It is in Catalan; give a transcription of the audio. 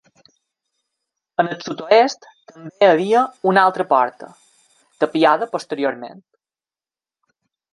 Al sud-oest també hi havia una altra porta, tapiada posteriorment.